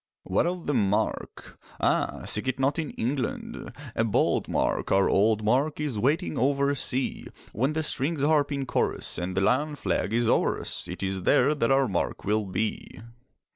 What of the mark? Ah, seek it not in England, A bold mark, our old mark Is waiting over sea. When the strings harp in chorus, And the lion flag is o'er us, It is there that our mark will be.